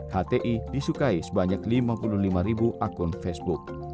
hti disukai sebanyak lima puluh lima ribu akun facebook